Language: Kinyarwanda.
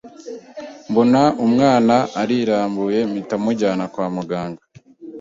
mbona umwana arirambuye mpita mujyana kwa muganga,